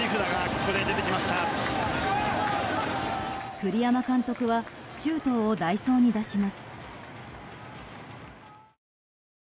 栗山監督は周東を代走に出します。